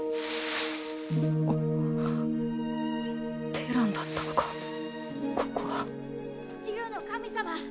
テランだったのかここは竜の神様。